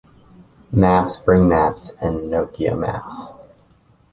Maps, Bing Maps, and Nokia Maps.